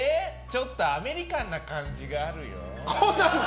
ちょっとアメリカンな感じがあるよ？